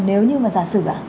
nếu như mà giả sử